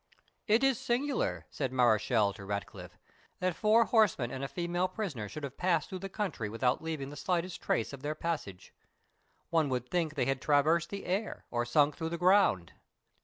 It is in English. "It is singular," said Mareschal to Ratcliffe, "that four horsemen and a female prisoner should have passed through the country without leaving the slightest trace of their passage. One would think they had traversed the air, or sunk through the ground."